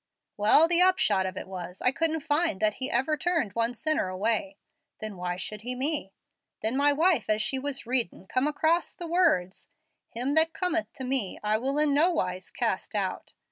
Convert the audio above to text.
"Well, the upshot of it was, I couldn't find that He ever turned one sinner away. Then why should He me? Then my wife, as she was readin', come across the words, 'Him that cometh to Me I will in no wise cast out.'